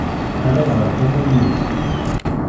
Rran ɣer tama-ihin.